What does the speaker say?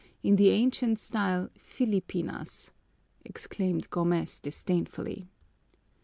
In the ancient style, Filipinas!" exclaimed Gomez disdainfully.